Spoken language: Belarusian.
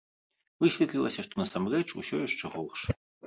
Высветлілася, што насамрэч усё яшчэ горш.